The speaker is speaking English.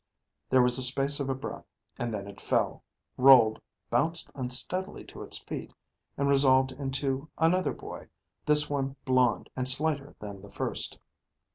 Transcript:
There was the space of a breath, and then it fell, rolled, bounced unsteadily to its feet, and resolved into another boy, this one blond, and slighter than the first.